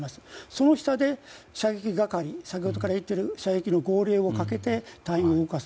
その下で、射撃係先ほど言っている射撃の号令をかけて隊員を動かす。